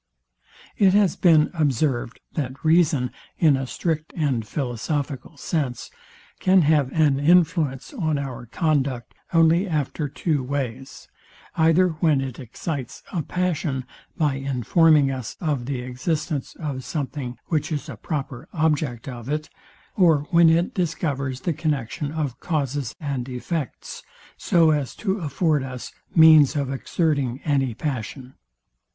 It has been observed, that reason, in a strict and philosophical sense, can have influence on our conduct only after two ways: Either when it excites a passion by informing us of the existence of something which is a proper object of it; or when it discovers the connexion of causes and effects, so as to afford us means of exerting any passion.